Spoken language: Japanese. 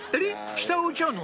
下置いちゃうの？